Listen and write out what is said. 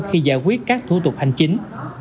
khi giải quyết các thủ tục hành chính